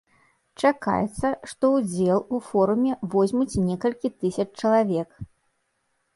Чакаецца, што ўдзел форуме возьмуць некалькі тысяч чалавек.